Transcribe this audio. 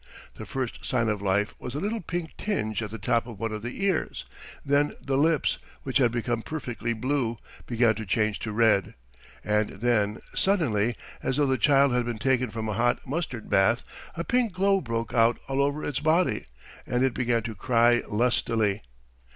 The first sign of life was a little pink tinge at the top of one of the ears, then the lips, which had become perfectly blue, began to change to red, and then suddenly, as though the child had been taken from a hot mustard bath, a pink glow broke out all over its body, and it began to cry lustily.